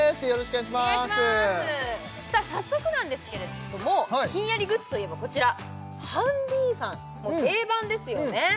お願いします早速なんですけれどもひんやりグッズといえばこちらハンディファンもう定番ですよね